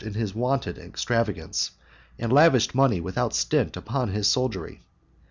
1 his wonted extravagance, and lavished money with out stint upon his soldiery.